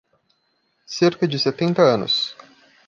Cerca de setenta anos